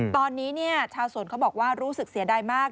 ตอนนี้ชาวสวนเขาบอกว่ารู้สึกเสียดายมาก